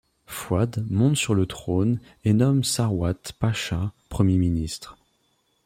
Fouad monte sur le trône et nomme Sarwat Pacha premier ministre.